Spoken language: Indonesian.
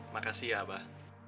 makasih ya abah